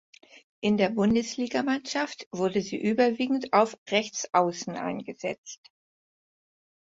In der Bundesligamannschaft wurde sie überwiegend auf Rechtsaußen eingesetzt.